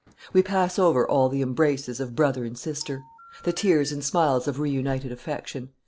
We pass over all the embraces of brother and sister; the tears and smiles of re united affection.